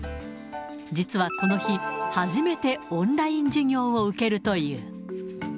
実はこの日、初めてオンライン授業を受けるという。